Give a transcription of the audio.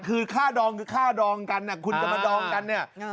คือค่าดองคือค่าดองกันคุณจะมาดองกันเนี่ย